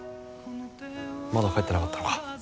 まだ帰ってなかったのか。